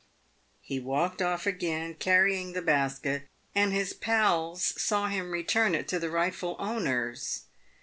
He walked off again, carrying the basket, and his pals saw him return it to the rightful owners.